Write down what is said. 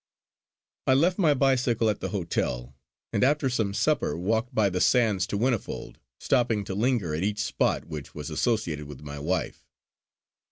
I left my bicycle at the hotel, and after some supper walked by the sands to Whinnyfold, stopping to linger at each spot which was associated with my wife.